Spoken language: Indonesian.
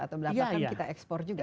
atau belakang kita ekspor juga